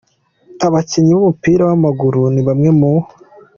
Abakinnyi b’umupira w’amaguru ni bamwe mu.